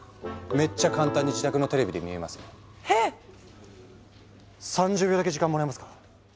めっちゃ簡単に自宅のテレビで見れますよ。へ⁉３０秒だけ時間もらえますか？